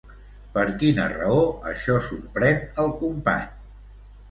Per quina raó això sorprèn el company?